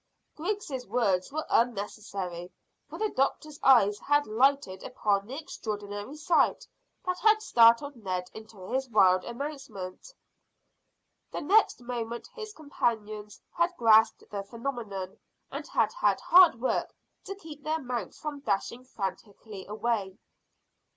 Griggs' words were unnecessary, for the doctor's eyes had lighted upon the extraordinary sight that had startled Ned into his wild announcement. The next moment his companions had grasped the phenomenon, and had hard work to keep their mounts from dashing frantically away.